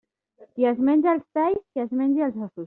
Qui es menja els talls, que es menge els ossos.